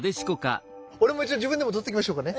俺も一応自分でも撮っときましょうかね。